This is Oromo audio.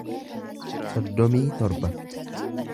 soddomii torba